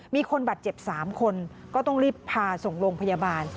มีคนบาดเจ็บ๓คนก็ต้องรีบพาส่งโรงพยาบาล